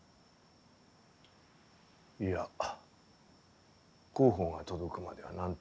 いや公報が届くまでは何とも言えん。